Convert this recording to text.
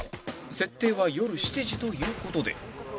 設定は夜７時という事で